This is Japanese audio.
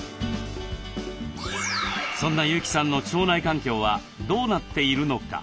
そんな優木さんの腸内環境はどうなっているのか？